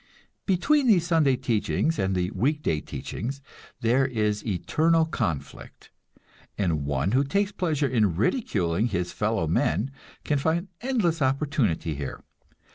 Between these Sunday teachings and the week day teachings there is eternal conflict, and one who takes pleasure in ridiculing his fellow men can find endless opportunity here.